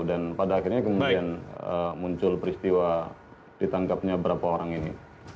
pada akhirnya kemudian muncul peristiwa ditangkapnya berapa orang ini